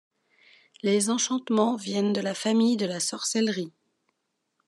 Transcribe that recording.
Les enchantements viennent de la famille de la sorcellerie.